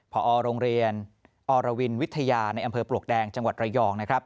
พอโรงเรียนอรวินวิทยาในอำเภอปลวกแดงจังหวัดระยองนะครับ